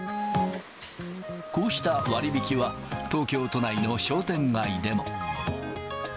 こうした割引は、東京都内の商店街でも。